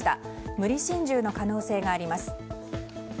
無理心中の可能性があります。